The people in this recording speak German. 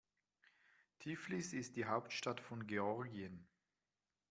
Tiflis ist die Hauptstadt von Georgien.